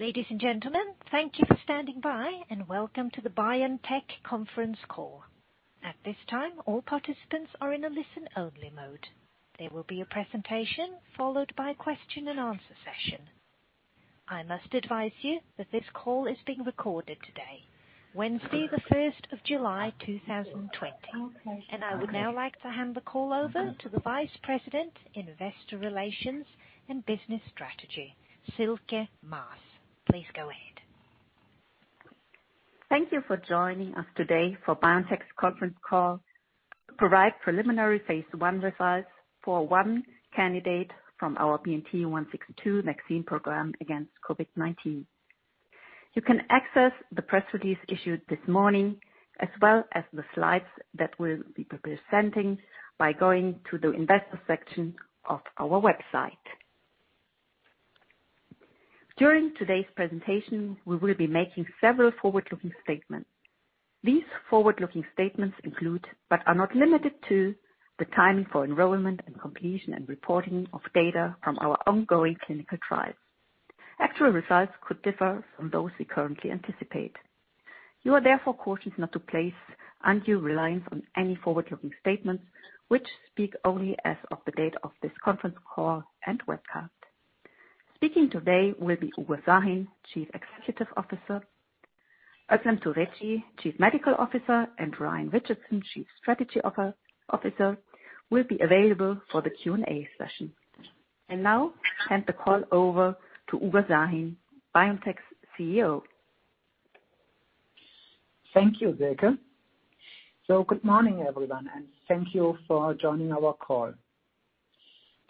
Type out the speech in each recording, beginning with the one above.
Ladies and gentlemen, thank you for standing by, and welcome to the BioNTech conference call. At this time, all participants are in a listen-only mode. There will be a presentation followed by a question and answer session. I must advise you that this call is being recorded today, Wednesday, the 1st of July, 2020. I would now like to hand the call over to the Vice President, Investor Relations and Business Strategy, Sylke Maas. Please go ahead. Thank you for joining us today for BioNTech's conference call to provide preliminary phase I results for one candidate from our BNT162 vaccine program against COVID-19. You can access the press release issued this morning, as well as the slides that we'll be presenting, by going to the investor section of our website. During today's presentation, we will be making several forward-looking statements. These forward-looking statements include, but are not limited to, the timing for enrollment and completion and reporting of data from our ongoing clinical trials. Actual results could differ from those we currently anticipate. You are therefore cautioned not to place undue reliance on any forward-looking statements, which speak only as of the date of this conference call and webcast. Speaking today will be Ugur Sahin, Chief Executive Officer, Özlem Türeci, Chief Medical Officer, and Ryan Richardson, Chief Strategy Officer, will be available for the Q&A session. Now, I'll hand the call over to Ugur Sahin, BioNTech's CEO. Thank you, Sylke. Good morning, everyone, and thank you for joining our call.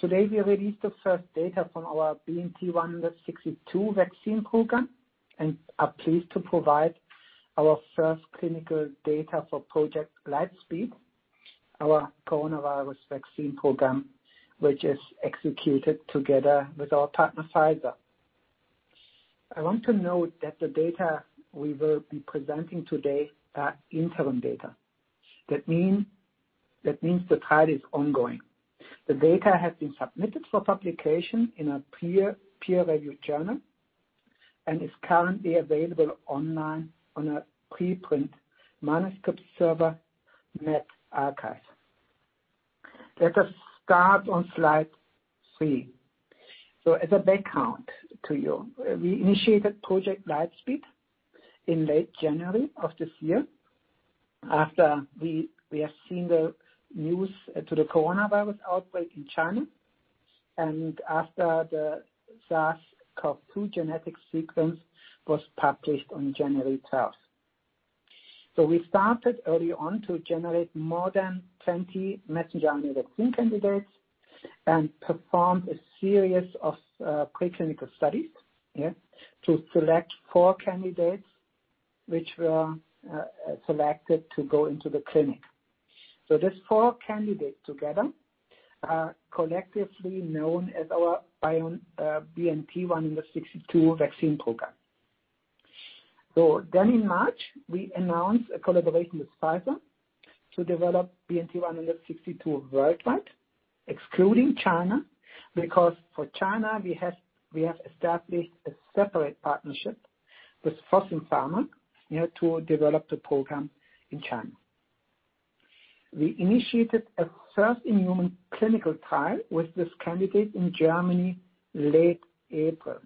Today, we released the first data from our BNT162 vaccine program and are pleased to provide our first clinical data for Project Lightspeed, our coronavirus vaccine program, which is executed together with our partner, Pfizer. I want to note that the data we will be presenting today are interim data. That means the trial is ongoing. The data has been submitted for publication in a peer-reviewed journal and is currently available online on a preprint manuscript server, medRxiv. Let us start on slide three. As a background to you, we initiated Project Lightspeed in late January of this year after we had seen the news to the coronavirus outbreak in China and after the SARS-CoV-2 genetic sequence was published on January 12th. We started early on to generate more than 20 messenger RNA vaccine candidates and performed a series of preclinical studies to select four candidates, which were selected to go into the clinic. These four candidates together are collectively known as our BNT162 vaccine program. In March, we announced a collaboration with Pfizer to develop BNT162 worldwide, excluding China, because for China, we have established a separate partnership with Fosun Pharma to develop the program in China. We initiated a first-in-human clinical trial with this candidate in Germany late April,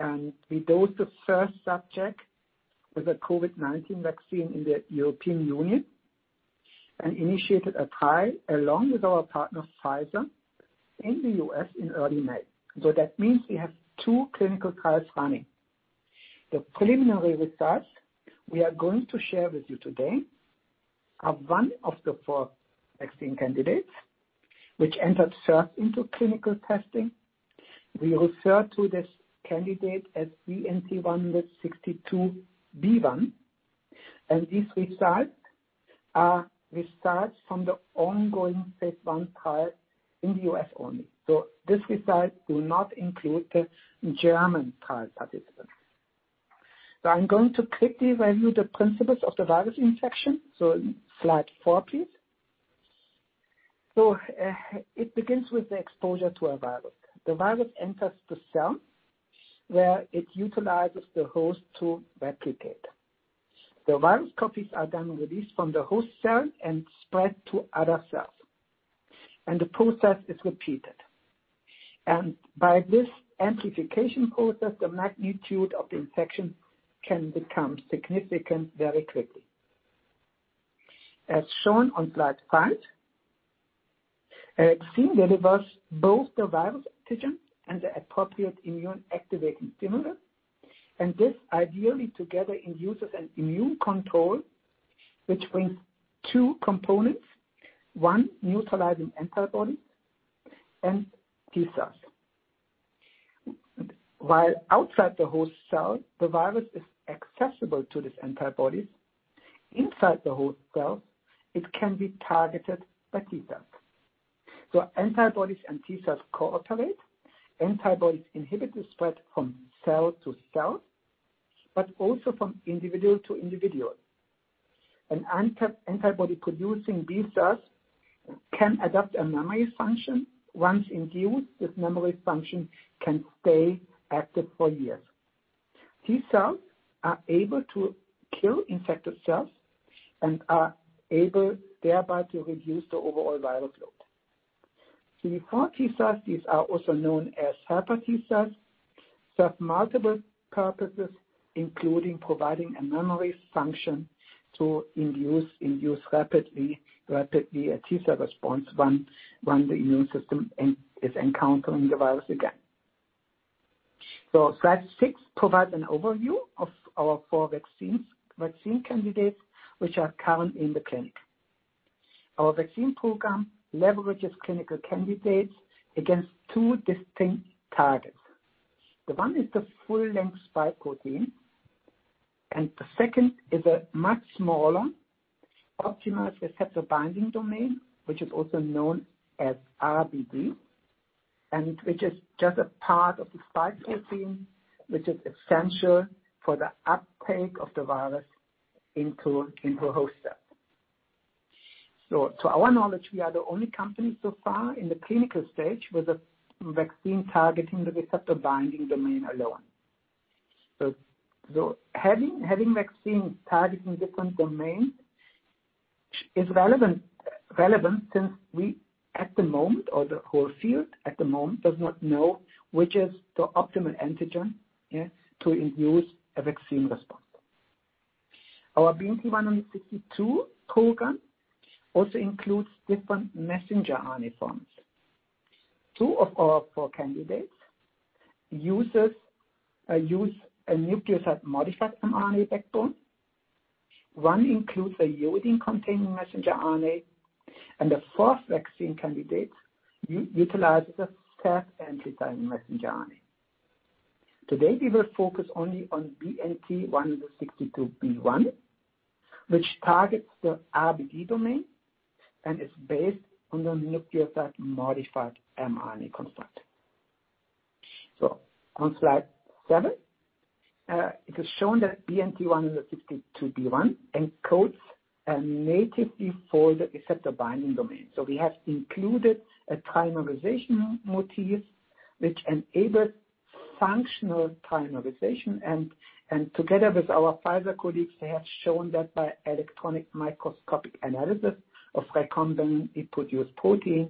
and we dosed the first subject with a COVID-19 vaccine in the European Union and initiated a trial along with our partner, Pfizer, in the U.S. in early May. That means we have two clinical trials running. The preliminary results we are going to share with you today are one of the four vaccine candidates which entered first into clinical testing. We refer to this candidate as BNT162b1. These results are results from the ongoing phase I trial in the U.S. only. This result do not include the German trial participants. I'm going to quickly review the principles of the virus infection. Slide four, please. It begins with the exposure to a virus. The virus enters the cell, where it utilizes the host to replicate. The virus copies are then released from the host cell and spread to other cells, and the process is repeated. By this amplification process, the magnitude of the infection can become significant very quickly. As shown on slide five, a vaccine delivers both the virus antigen and the appropriate immune-activating stimulant. This ideally together induces an immune control which brings two components, one, neutralizing antibodies, and T cells. While outside the host cell, the virus is accessible to these antibodies. Inside the host cell, it can be targeted by T cells. Antibodies and T cells cooperate. Antibodies inhibit the spread from cell to cell, but also from individual to individual. An antibody-producing B cells can adopt a memory function. Once induced, this memory function can stay active for years. T cells are able to kill infected cells and are able thereby to reduce the overall viral load. We call T cells, these are also known as helper T cells, serve multiple purposes, including providing a memory function to induce rapidly a T cell response when the immune system is encountering the virus again. Slide six provides an overview of our four vaccine candidates, which are current in the clinic. Our vaccine program leverages clinical candidates against two distinct targets. The one is the full-length spike protein, and the second is a much smaller optimized receptor binding domain, which is also known as RBD, and which is just a part of the spike protein, which is essential for the uptake of the virus into host cell. To our knowledge, we are the only company so far in the clinical stage with a vaccine targeting the receptor binding domain alone. Having vaccines targeting different domains is relevant since we, at the moment, or the whole field at the moment, does not know which is the optimal antigen to induce a vaccine response. Our BNT162 program also includes different Messenger RNA forms. Two of our four candidates use a nucleoside-modified mRNA backbone. One includes a uridine-containing Messenger RNA, and the fourth vaccine candidate utilizes a self-amplifying Messenger RNA. Today, we will focus only on BNT162b1, which targets the RBD domain and is based on the nucleoside-modified mRNA construct. On slide seven, it is shown that BNT162b1 encodes a natively folded receptor binding domain. We have included a trimerization motif which enables functional trimerization and together with our Pfizer colleagues, they have shown that by electron microscopic analysis of recombinant it produced protein,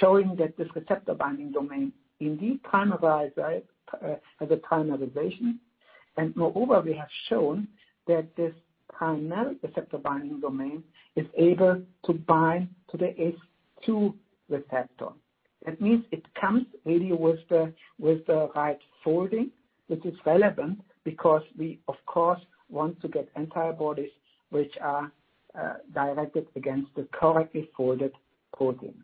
showing that this receptor binding domain indeed trimerize as a trimerization. Moreover, we have shown that this trimeric receptor binding domain is able to bind to the ACE2 receptor. That means it comes really with the right folding, which is relevant because we of course want to get antibodies which are directed against the correctly folded protein.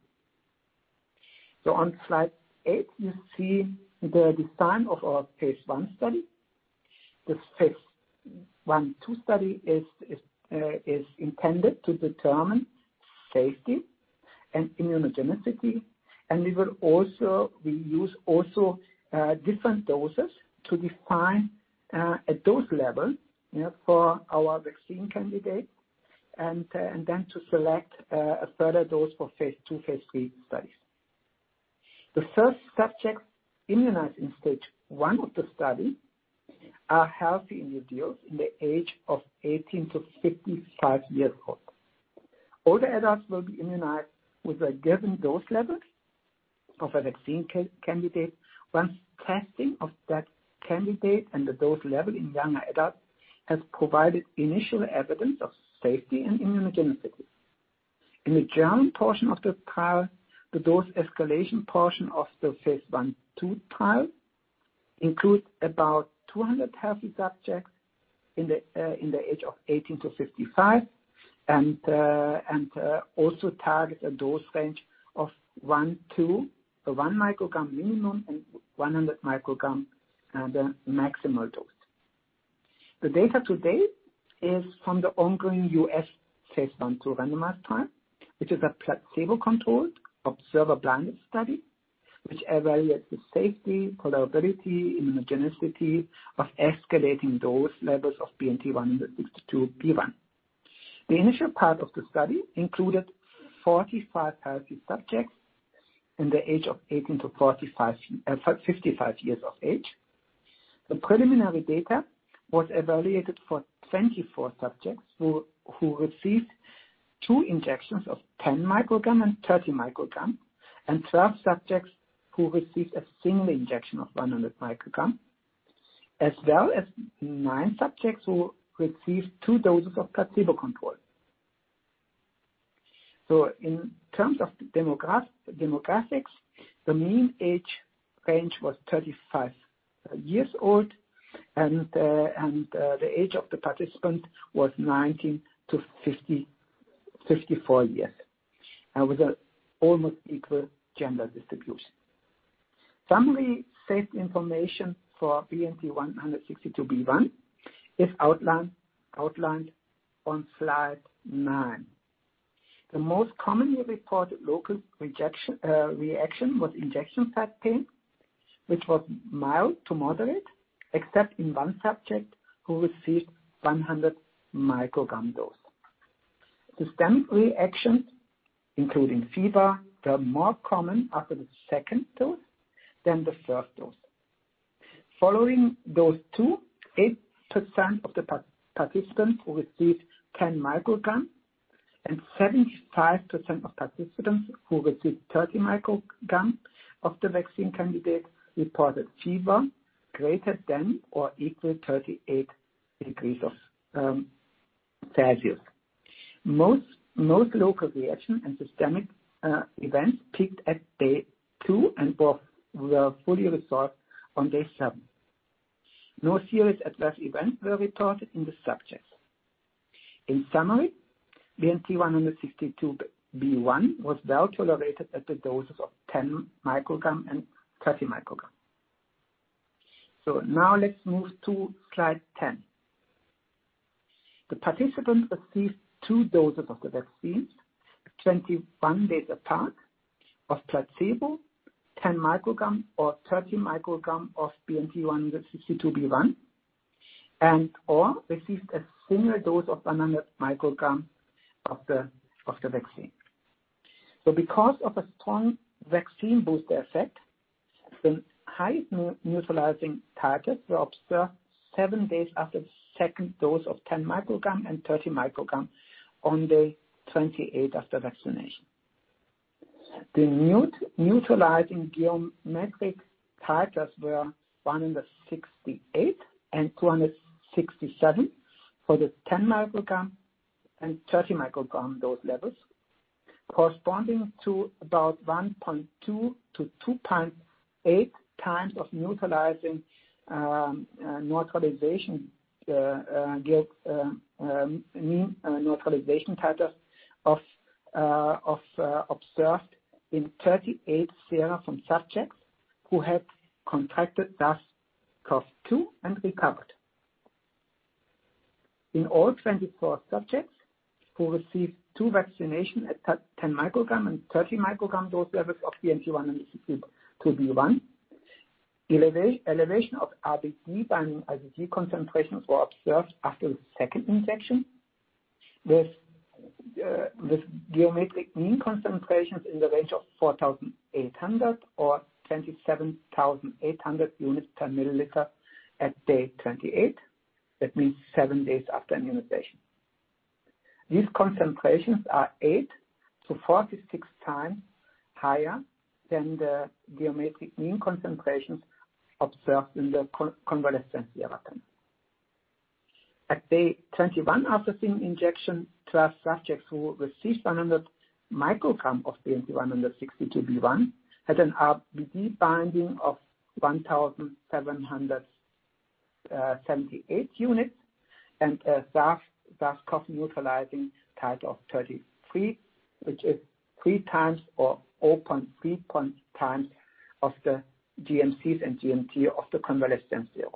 On slide eight, you see the design of our phase I study. This phase I/II study is intended to determine safety and immunogenicity. We use also different doses to define a dose level for our vaccine candidate and then to select a further dose for phase II, phase III studies. The first subjects immunized in stage 1 of the study are healthy individuals in the age of 18-55 years old. Older adults will be immunized with a given dose level of a vaccine candidate once testing of that candidate and the dose level in younger adults has provided initial evidence of safety and immunogenicity. In the German portion of the trial, the dose escalation portion of the phase I/II trial includes about 200 healthy subjects in the age of 18-55, and also targets a dose range of 1-1 microgram minimum and 100 microgram the maximal dose. The data to date is from the ongoing U.S. phase I/II randomized trial, which is a placebo-controlled observer blind study which evaluates the safety, tolerability, immunogenicity of escalating dose levels of BNT162b1. The initial part of the study included 45 healthy subjects in the age of 18-55 years of age. The preliminary data was evaluated for 24 subjects who received two injections of 10 microgram and 30 microgram, and 12 subjects who received a single injection of 100 microgram, as well as nine subjects who received two doses of placebo control. In terms of demographics, the mean age range was 35 years old, and the age of the participant was 19 to 54 years, and with an almost equal gender distribution. Summary safety information for BNT162b1 is outlined on slide nine. The most commonly reported local reaction was injection site pain, which was mild to moderate, except in one subject who received 100 microgram dose. Systemic reactions, including fever, were more common after the second dose than the first dose. Following dose 2, 8% of the participants who received 10 microgram and 75% of participants who received 30 microgram of the vaccine candidate reported fever greater than or equal 38 degrees Celsius. Most local reaction and systemic events peaked at day 2 and were fully resolved on day 7. No serious adverse events were reported in the subjects. In summary, BNT162b1 was well-tolerated at the doses of 10 microgram and 30 microgram. Now let's move to slide 10. The participants received two doses of the vaccine 21 days apart of placebo, 10 microgram or 30 microgram of BNT162b1, and/or received a similar dose of 100 microgram of the vaccine. Because of a strong vaccine boost effect, the high neutralizing titers were observed 7 days after the second dose of 10 microgram and 30 microgram on day 28 after vaccination. The neutralizing geometric titers were 168 and 267 for the 10 microgram and 30 microgram dose levels, corresponding to about 1.2 to 2.8 times of neutralization titer observed in 38 sera from subjects who had contracted SARS-CoV-2 and recovered. In all 24 subjects who received two vaccinations at 10 microgram and 30 microgram dose levels of BNT162b1, elevation of RBD-binding IgG concentrations were observed after the second injection with geometric mean concentrations in the range of 4,800 or 27,800 units per milliliter at day 28. That means seven days after immunization. These concentrations are eight to 46 times higher than the geometric mean concentrations observed in the convalescent sera samples. At day 21 after second injection, 12 subjects who received 100 micrograms of BNT162b1 had an RBD binding of 1,778 units and a SARS-CoV neutralizing titer of 33, which is three times or 0.3 times of the GMCs and GMT of the convalescent serum.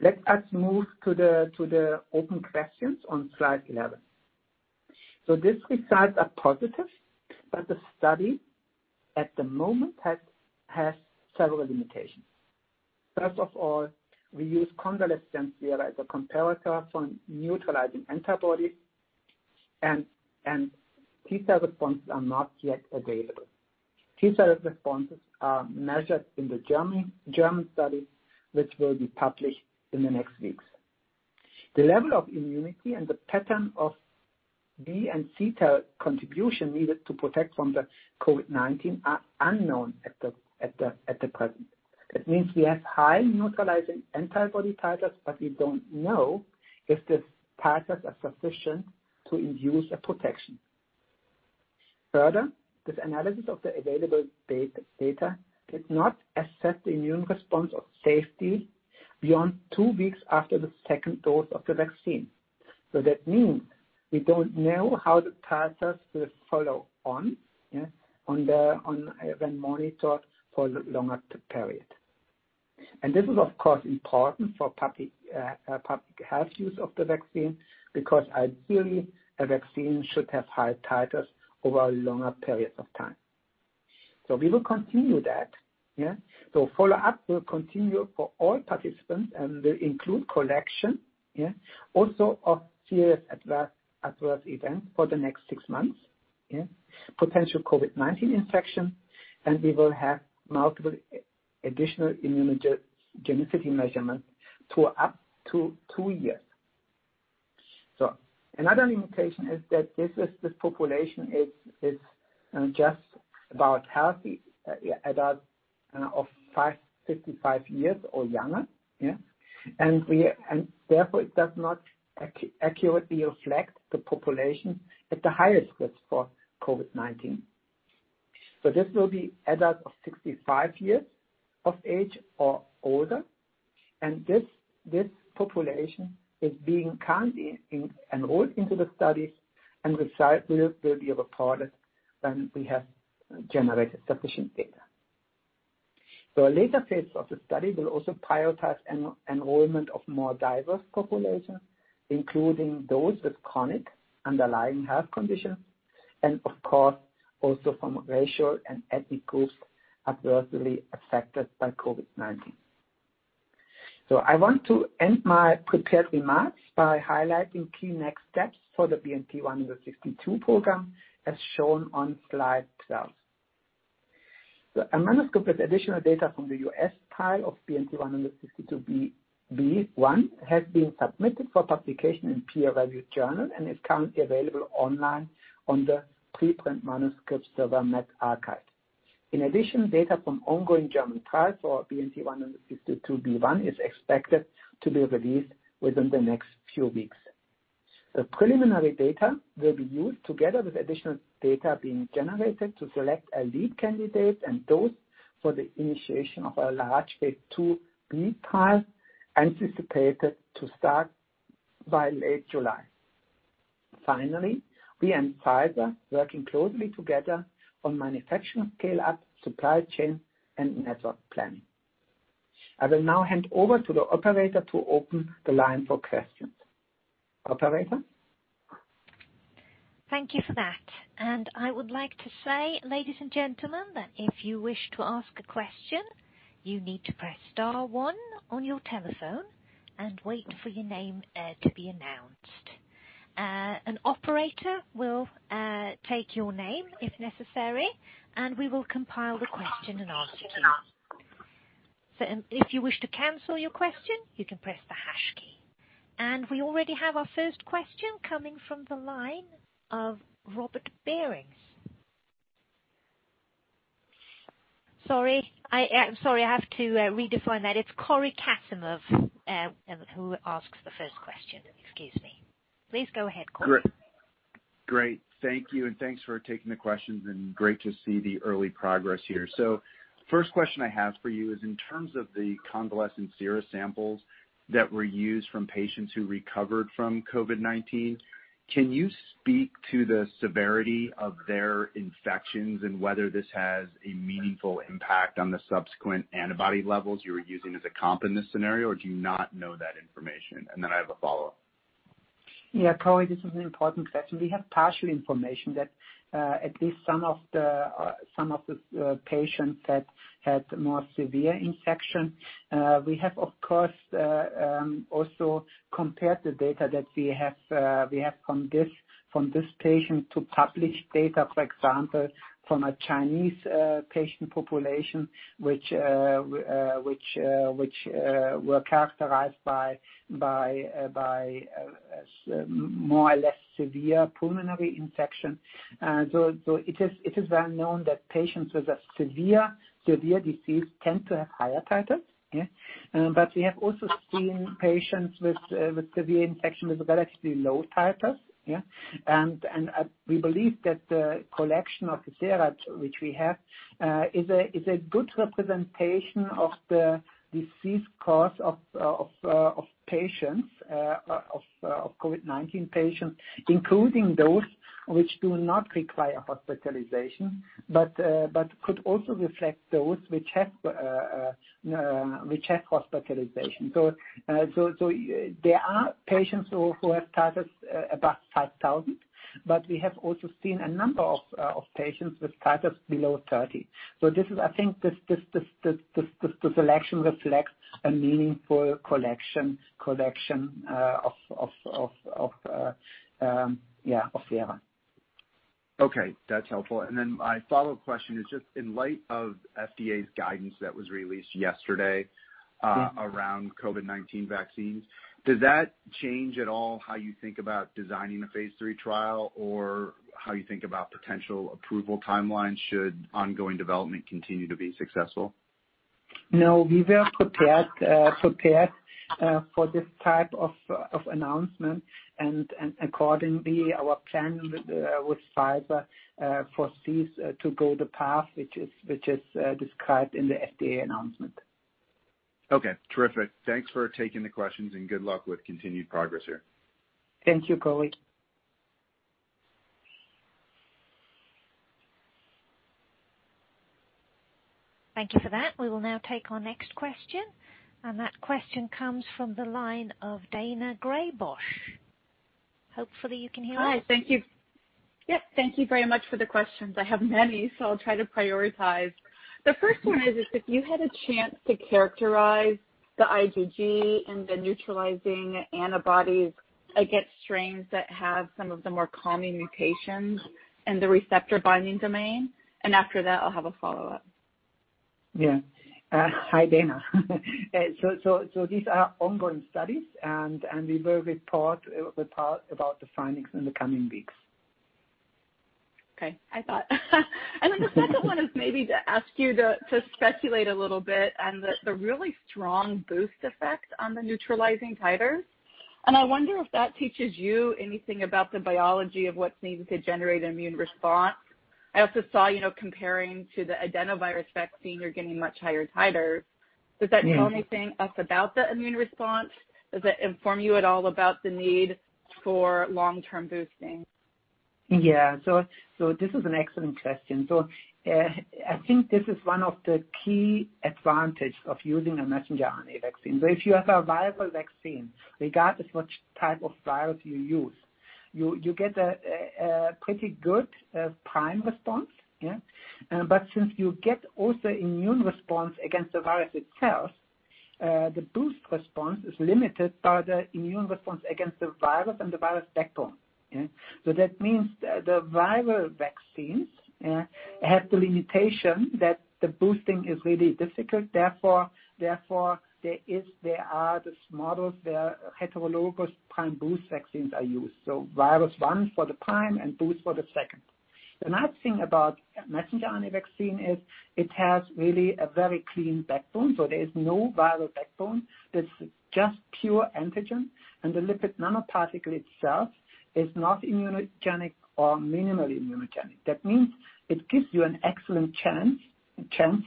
Let us move to the open questions on slide 11. These results are positive, but the study at the moment has several limitations. First of all, we use convalescent sera as a comparator for neutralizing antibodies, and T-cell responses are not yet available. T-cell responses are measured in the German study, which will be published in the next weeks. The level of immunity and the pattern of B and T-cell contribution needed to protect from the COVID-19 are unknown at the present. That means we have high neutralizing antibody titers, but we don't know if the titers are sufficient to induce a protection. Further, this analysis of the available data did not assess immune response or safety beyond two weeks after the second dose of the vaccine. That means we don't know how the titres will follow on when monitored for the longer period. This is, of course, important for public health use of the vaccine, because ideally, a vaccine should have high titres over a longer period of time. We will continue that. Follow-up will continue for all participants and will include collection also of serious adverse events for the next six months. Potential COVID-19 infection, we will have multiple additional immunogenicity measurements for up to two years. Another limitation is that this population is just about healthy adults of 55 years or younger. Therefore, it does not accurately reflect the population at the highest risk for COVID-19. This will be adults of 65 years of age or older, and this population is being enrolled into the study, and results will be reported when we have generated sufficient data. A later phase of the study will also prioritize enrollment of more diverse populations, including those with chronic underlying health conditions and, of course, also from racial and ethnic groups adversely affected by COVID-19. I want to end my prepared remarks by highlighting key next steps for the BNT162 program, as shown on slide 12. A manuscript with additional data from the U.S. trial of BNT162b1 has been submitted for publication in a peer-reviewed journal and is currently available online on the preprint manuscript server medRxiv. In addition, data from ongoing German trials for BNT162b1 is expected to be released within the next few weeks. The preliminary data will be used together with additional data being generated to select a lead candidate and dose for the initiation of a large phase IIb trial anticipated to start by late July. We and Pfizer are working closely together on manufacturing scale-up, supply chain, and network planning. I will now hand over to the operator to open the line for questions. Operator? Thank you for that. I would like to say, ladies and gentlemen, that if you wish to ask a question, you need to press star one on your telephone and wait for your name to be announced. An operator will take your name if necessary, and we will compile the question and ask you. If you wish to cancel your question, you can press the hash key. We already have our first question coming from the line of Robert Burns. Sorry, I have to redefine that. It's Cory Kasimov who asks the first question. Excuse me. Please go ahead, Cory. Great. Thank you, and thanks for taking the questions, and great to see the early progress here. First question I have for you is in terms of the convalescent sera samples that were used from patients who recovered from COVID-19, can you speak to the severity of their infections and whether this has a meaningful impact on the subsequent antibody levels you were using as a comp in this scenario, or do you not know that information? Then I have a follow-up. Yeah, Cory, this is an important question. We have partial information that at least some of the patients had more severe infection. We have, of course, also compared the data that we have from this patient to published data, for example, from a Chinese patient population, which were characterized by more or less severe pulmonary infection. It is well known that patients with a severe disease tend to have higher titers. We have also seen patients with severe infection with relatively low titers. Yeah. We believe that the collection of the sera which we have is a good representation of the disease course of COVID-19 patients, including those which do not require hospitalization, but could also reflect those which have hospitalization. There are patients who have titers above 5,000, we have also seen a number of patients with titers below 30. I think the selection reflects a meaningful collection of sera. Okay, that's helpful. My follow-up question is just in light of FDA's guidance that was released yesterday around COVID-19 vaccines, does that change at all how you think about designing a phase III trial or how you think about potential approval timelines should ongoing development continue to be successful? We were prepared for this type of announcement and accordingly, our plan with Pfizer foresees to go the path which is described in the FDA announcement. Okay, terrific. Thanks for taking the questions and good luck with continued progress here. Thank you, Cory. Thank you for that. We will now take our next question, and that question comes from the line of Daina Graybosch. Hopefully you can hear us. Hi. Thank you. Yep, thank you very much for the questions. I have many, so I'll try to prioritize. The first one is if you had a chance to characterize the IgG and the neutralizing antibodies against strains that have some of the more common mutations in the receptor binding domain, and after that, I'll have a follow-up. Yeah. Hi, Daina. These are ongoing studies, and we will report about the findings in the coming weeks. Okay. I thought. The second one is maybe to ask you to speculate a little bit on the really strong boost effect on the neutralizing titers. I wonder if that teaches you anything about the biology of what's needed to generate immune response. I also saw, comparing to the adenovirus vaccine, you're getting much higher titers. Does that tell anything else about the immune response? Does that inform you at all about the need for long-term boosting? This is an excellent question. I think this is one of the key advantage of using a messenger RNA vaccine. If you have a viral vaccine, regardless which type of virus you use, you get a pretty good prime response. Since you get also immune response against the virus itself, the boost response is limited by the immune response against the virus and the virus backbone. That means the viral vaccines have the limitation that the boosting is really difficult. Therefore, there are these models where heterologous prime boost vaccines are used. Virus one for the prime and boost for the second. The nice thing about messenger RNA vaccine is it has really a very clean backbone. There is no viral backbone. There's just pure antigen, and the lipid nanoparticle itself is not immunogenic or minimally immunogenic. That means it gives you an excellent chance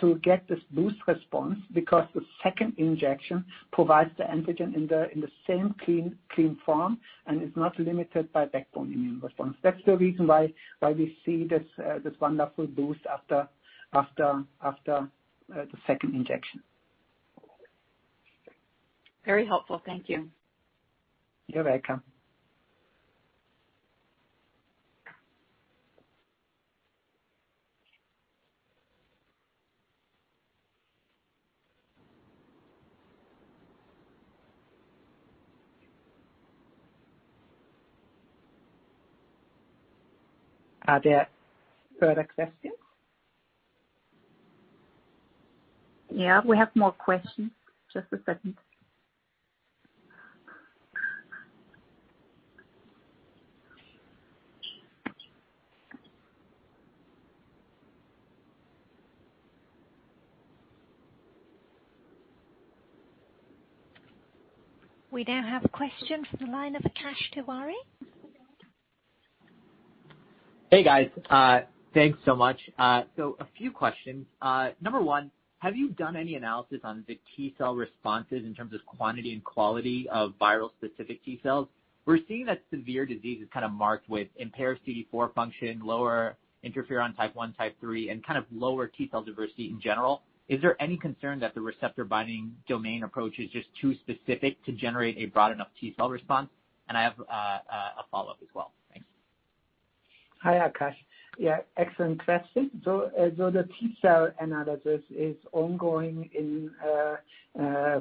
to get this boost response because the second injection provides the antigen in the same clean form and is not limited by backbone immune response. That's the reason why we see this wonderful boost after the second injection. Very helpful. Thank you. You're welcome. Are there further questions? Yeah, we have more questions. Just a second. We now have a question from the line of Akash Tewari. Hey, guys. Thanks so much. A few questions. Number one, have you done any analysis on the T-cell responses in terms of quantity and quality of viral-specific T cells? We're seeing that severe disease is kind of marked with impaired CD4 function, lower type I interferon, type 3, and kind of lower T-cell diversity in general. Is there any concern that the receptor binding domain approach is just too specific to generate a broad enough T-cell response? I have a follow-up as well. Thanks. Hi, Akash. Yeah, excellent question. The T cell analysis is ongoing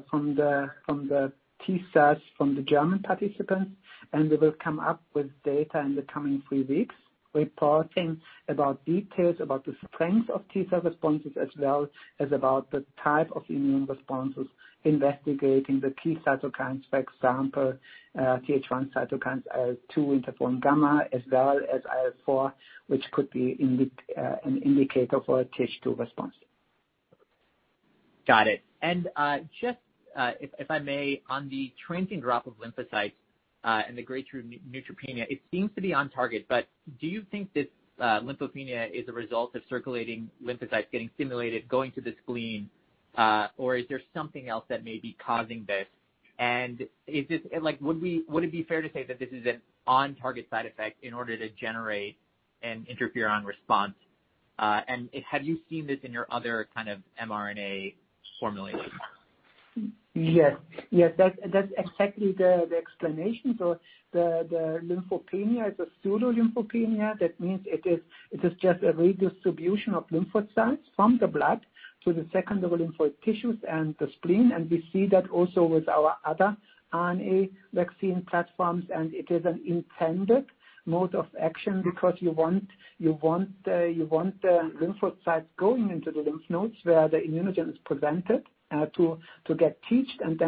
from the T cells from the German participants, and we will come up with data in the coming three weeks reporting about details about the strength of T cell responses, as well as about the type of immune responses investigating the key cytokines, for example, TH1 cytokines, IL-2, interferon gamma, as well as IL-4, which could be an indicator for a TH2 response. Got it. Just, if I may, on the transient drop of lymphocytes, and the grade 3 neutropenia, it seems to be on target, but do you think this lymphopenia is a result of circulating lymphocytes getting stimulated going to the spleen? Is there something else that may be causing this? Would it be fair to say that this is an on-target side effect in order to generate an interferon response? Have you seen this in your other kind of mRNA formulations? Yes. That's exactly the explanation. The lymphopenia is a pseudolymphopenia. That means it is just a redistribution of lymphocytes from the blood to the secondary lymphoid tissues and the spleen, and we see that also with our other mRNA vaccine platforms, and it is an intended mode of action because you want the lymphocytes going into the lymph nodes where the immunogen is presented, to get teached and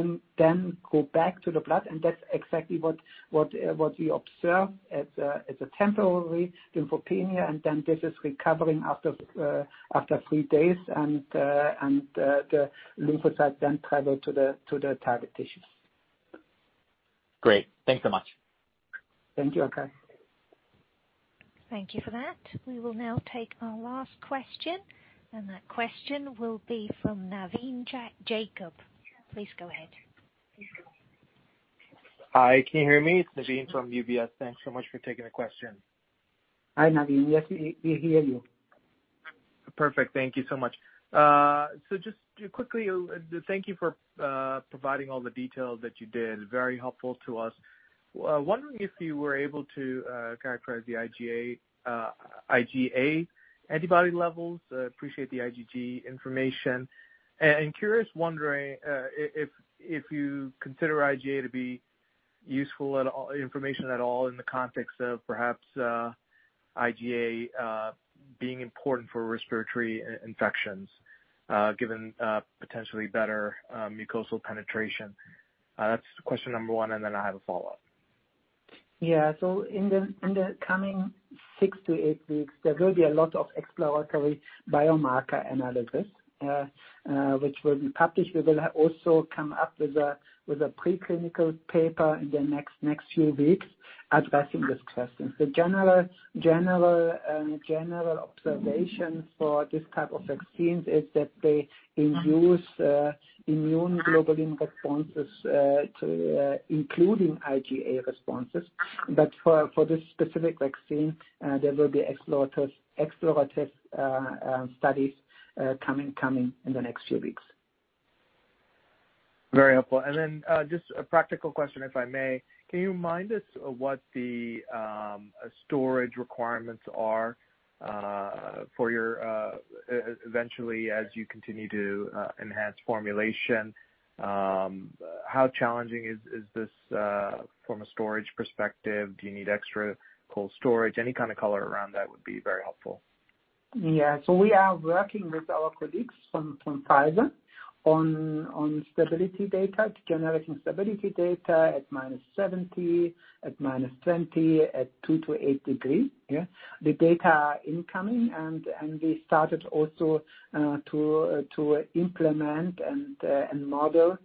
then go back to the blood, and that's exactly what we observe as a temporary lymphopenia, and then this is recovering after three days. The lymphocyte then travel to the target tissues. Great. Thanks so much. Thank you, Akash. Thank you for that. We will now take our last question, and that question will be from Navin Jacob. Please go ahead. Hi, can you hear me? It's Navin from UBS. Thanks so much for taking the question. Hi, Navin. Yes, we hear you. Perfect. Thank you so much. Just quickly, thank you for providing all the details that you did. Very helpful to us. Wondering if you were able to characterize the IgA antibody levels. Appreciate the IgG information. Curious, wondering, if you consider IgA to be useful information at all in the context of perhaps, IgA, being important for respiratory infections, given potentially better mucosal penetration. That's question number one, and then I have a follow-up. In the coming six to eight weeks, there will be a lot of exploratory biomarker analysis, which will be published. We will also come up with a preclinical paper in the next few weeks addressing this question. The general observation for this type of vaccines is that they induce immunoglobulin responses, including IgA responses. For this specific vaccine, there will be explorative studies coming in the next few weeks. Very helpful. Then just a practical question, if I may. Can you mind us what the storage requirements are eventually as you continue to enhance formulation? How challenging is this from a storage perspective? Do you need extra cold storage? Any kind of color around that would be very helpful. Yeah. We are working with our colleagues from Pfizer on generating stability data at -70, at -20, at two to eight degrees. The data are incoming, and we started also to implement and model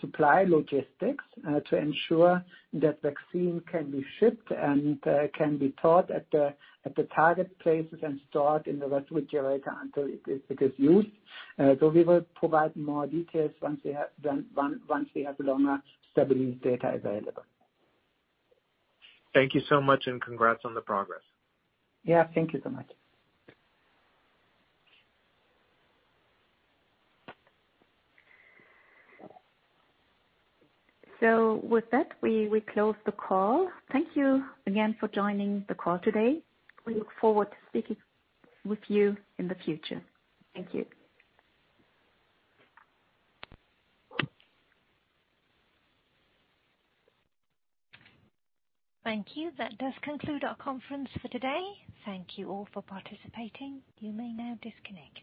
supply logistics to ensure that vaccine can be shipped and can be stored at the target places and stored in the refrigerator until it gets used. We will provide more details once we have longer stability data available. Thank you so much. Congrats on the progress. Yeah, thank you so much. With that, we will close the call. Thank you again for joining the call today. We look forward to speaking with you in the future. Thank you. Thank you. That does conclude our conference for today. Thank you all for participating. You may now disconnect.